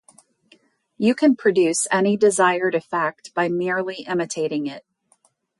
You can produce any desired effect by merely imitating it.